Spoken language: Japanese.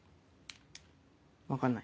分かんない。